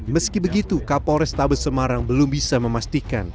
meski begitu kapolres tabes semarang belum bisa memastikan